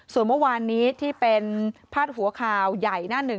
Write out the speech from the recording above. ส่วนเมื่อวานนี้ที่เป็นพาดหัวข่าวใหญ่หน้าหนึ่ง